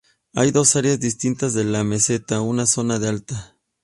Hay dos áreas distintas de la meseta: una zona de alta.